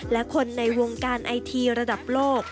และคนในวงการไอทีระดับโลก